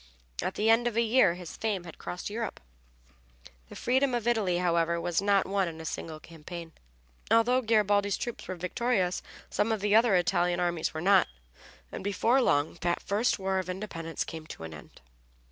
At the end of a year his fame had crossed Europe. The freedom of Italy, however, was not won in a single campaign. Although Garibaldi's troops were victorious, some of the other Italian armies were not, and before long that first war of independence came to an end.